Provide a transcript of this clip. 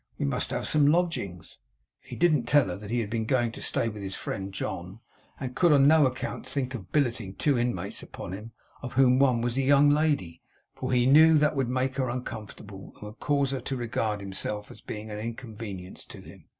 We must have some lodgings.' He didn't tell her that he had been going to stay with his friend John, and could on no account think of billeting two inmates upon him, of whom one was a young lady; for he knew that would make her uncomfortable, and would cause her to regard herself as being an inconvenience to him.